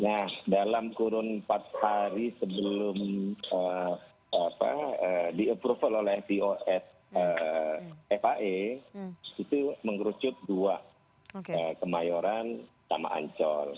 nah dalam kurun empat hari sebelum di approval oleh vos fae itu mengerucut dua kemayoran sama ancol